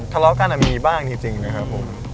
ทะเลาะกันมีบ้างจริงนะครับผม